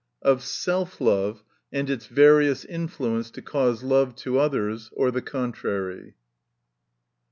Of Self Love, and its various Influence, to cause Love to others, or the contrary.